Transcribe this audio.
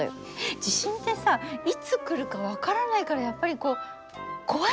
地震ってさいつ来るか分からないからやっぱりこう怖いよね。